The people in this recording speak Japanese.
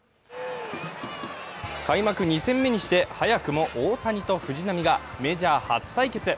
開幕２戦目にして早くも大谷と藤浪がメジャー初対決。